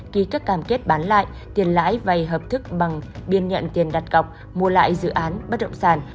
ký các cam kết bán lại tiền lãi vay hợp thức bằng biên nhận tiền đặt cọc mua lại dự án bất động sản